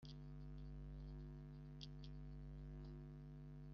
abaturage basobanurirwa ibikubiye mu Itegeko ryerekeye kubona amakuru